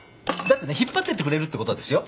だってね引っ張ってってくれるってことはですよ